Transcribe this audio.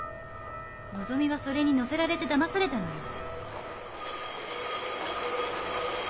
のぞみはそれに乗せられてだまされたのよ。